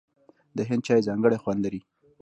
د هند چای ځانګړی خوند لري.